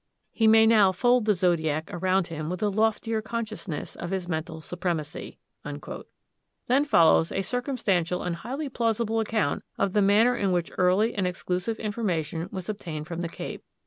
He may now fold the zodiac around him with a loftier consciousness of his mental supremacy." Then follows a circumstantial and highly plausible account of the manner in which early and exclusive information was obtained from the Cape.